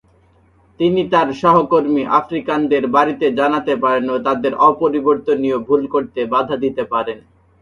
তিনি তার সহকর্মী আফ্রিকানদের বাড়িতে জানাতে পারেন ও তাদের অপরিবর্তনীয় ভুল করতে বাধা দিতে পারেন।